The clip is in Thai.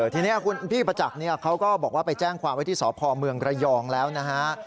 ทีนี้คุณพี่ประจักษ์เขาก็บอกว่าไปแจ้งความไว้ที่สพเมืองระยองแล้วนะฮะ